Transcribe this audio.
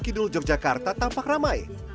kidul yogyakarta tampak ramai